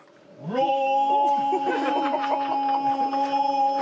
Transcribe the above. ロー！